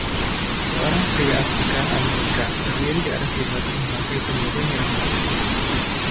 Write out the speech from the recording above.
Seorang pria Afrika-Amerika berdiri di atas jembatan memakai kemeja merah muda.